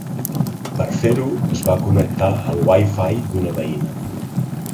Per fer-ho es va connectar al wifi d’una veïna.